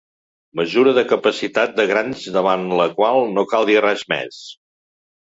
Mesura de capacitat de grans davant la qual no cal dir res més.